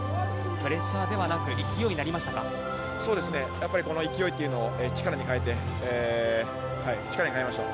プレッシャーではなく、そうですね、やっぱりこの勢いというのを力に変えて、はい、力になりました。